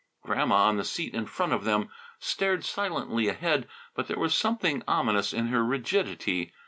Grandma, on the seat in front of them, stared silently ahead, but there was something ominous in her rigidity.